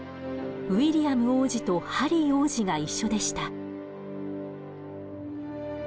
ウィリアム王子とハリー王子が一緒でした。